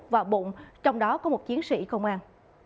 và bụng trong đó có một chiến sĩ công an